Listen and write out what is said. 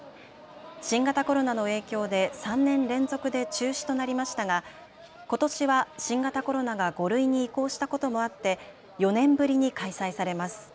新型コロナの影響で３年連続で中止となりましたがことしは新型コロナが５類に移行したこともあって４年ぶりに開催されます。